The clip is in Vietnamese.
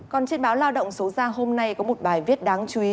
còn trên báo lao động số ra hôm nay có một bài viết đáng chú ý